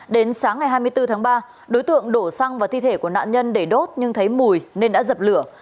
đến sáng ngày hai mươi bốn tháng ba đối tượng đổ xăng vào thi thể của nạn nhân để đốt nhưng thấy mùi nên đã dập lửa